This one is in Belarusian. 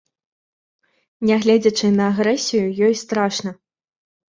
Нягледзячы на агрэсію, ёй страшна.